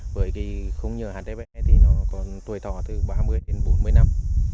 với cái khung nhựa hdpe thì nó còn tuổi thỏ từ ba mươi đến bốn mươi năm